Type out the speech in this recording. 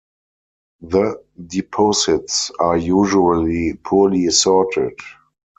The deposits are usually poorly sorted.